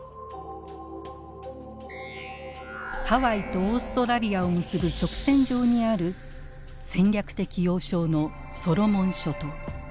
ハワイとオーストラリアを結ぶ直線上にある戦略的要衝のソロモン諸島。